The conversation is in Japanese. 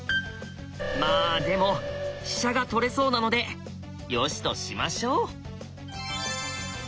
まあでも飛車が取れそうなのでよしとしましょう！